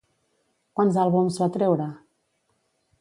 Quants àlbums va treure?